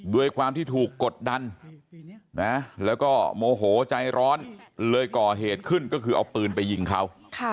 ด้วยความที่ถูกกดดันแล้วก็โมโหใจร้อนเลยก่อเหตุขึ้นก็คือเอาปืนไปยิงเขา